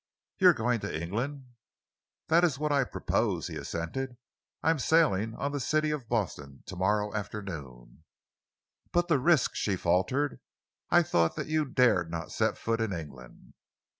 "You are going to England!" "That is what I propose," he assented. "I am sailing on the City of Boston to morrow afternoon." "But the risk!" she faltered. "I thought that you dared not set foot in England."